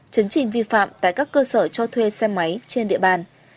chấn trình vi phạm tại các cơ sở cho thuê xe máy trên địa bàn